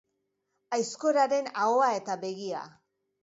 Aizkoraren ahoa eta begia.